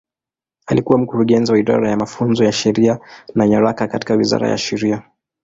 Alikuwa Mkurugenzi wa Idara ya Mafunzo ya Sheria na Nyaraka katika Wizara ya Sheria.